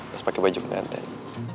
pas pake baju ganteng